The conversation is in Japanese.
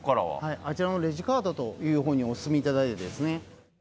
あちらのレジカートという所にお進みいただいて。